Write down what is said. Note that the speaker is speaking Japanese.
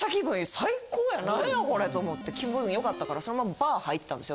最高やな何やこれ？と思って気分よかったからそのままバー入ったんですよ